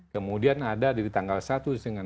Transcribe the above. kemudian ada di tanggal satu sampai dengan tanggal dua